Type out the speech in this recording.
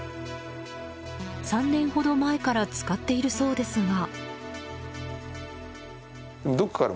３年ほど前から使っているそうですが。